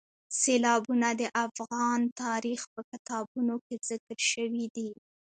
سیلابونه د افغان تاریخ په کتابونو کې ذکر شوی دي.